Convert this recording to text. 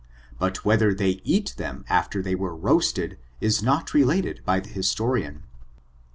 But whether they eat them after they were roasted, is not related by the historian.